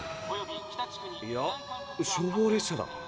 いや消防列車だ。